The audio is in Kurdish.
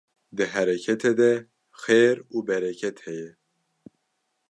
Di hereketê de xêr û bereket heye